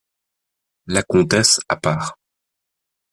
La comtesse , à part.